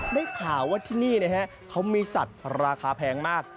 ได้ข่าวว่าที่นี่นะฮะเขามีสัตว์ราคาแพงมาก